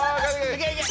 いけいけ！